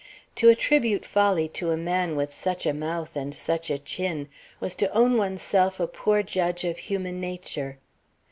To attribute folly to a man with such a mouth and such a chin was to own one's self a poor judge of human nature.